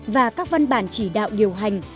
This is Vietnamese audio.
và các văn bản chỉ đạo điều hành